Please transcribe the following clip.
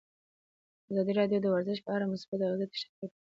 ازادي راډیو د ورزش په اړه مثبت اغېزې تشریح کړي.